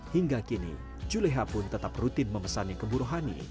hingga kini juleha pun tetap rutin memesan yang keburohani